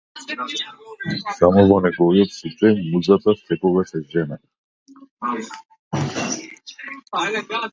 Само во неговиот случај музата секогаш е жена.